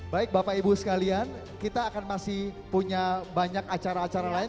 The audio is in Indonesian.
baik bapak ibu sekalian kita akan masih punya banyak acara acara lain